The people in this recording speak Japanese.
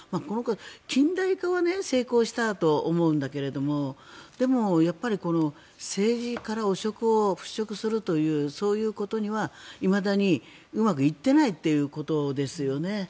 近代化は成功したと思うんだけどでも、政治から汚職を払しょくするというそういうことにはいまだにうまくいっていないということですよね。